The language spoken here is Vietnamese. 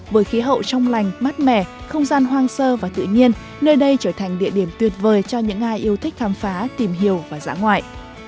với khí hậu trong lành mát mẻ không gian hoang sơ và tự nhiên nơi đây trở thành địa điểm tuyệt vời cho những ai yêu thích khám phá tìm hiểu và dã ngoại